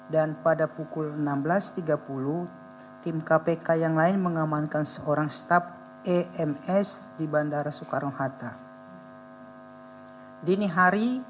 dan pada pukul enam belas tiga puluh tim kpk yang lain mengamankan seorang staf ems di bandara soekarno hatta